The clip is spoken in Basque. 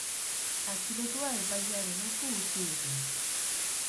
Atxilotua epailearen esku utzi dute.